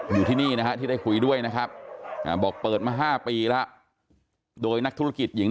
อยู่ที่นี่นะฮะที่ได้คุยด้วยนะครับบอกเปิดมา๕ปีแล้วโดยนักธุรกิจหญิง